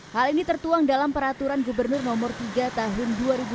hal ini tertuang dalam peraturan gubernur nomor tiga tahun dua ribu dua puluh